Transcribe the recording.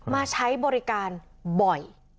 มาใช้บริการบ่อย